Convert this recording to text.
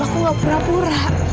aku gak pura pura